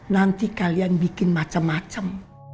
nanti kalian bikin macem macem